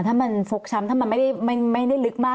ถ้ามันฟกช้ำถ้ามันไม่ได้ลึกมาก